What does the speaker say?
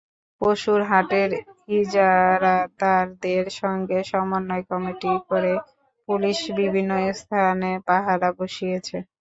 পশুর হাটের ইজারাদারদের সঙ্গে সমন্বয় কমিটি করে পুলিশ বিভিন্ন স্থানে পাহারা বসিয়েছে।